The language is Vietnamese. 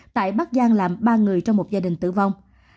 tại bắc giang làm ba người trong một gia đình tử vong